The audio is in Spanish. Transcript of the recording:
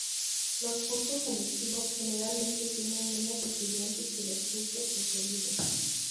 Los cursos electivos generalmente tienen menos estudiantes que los cursos requeridos.